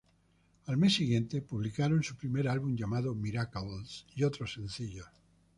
Al mes siguiente, publicaron su primer álbum llamado "Miracles" y otros sencillos.